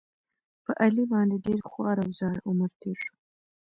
په علي باندې ډېر خوار او زار عمر تېر شو.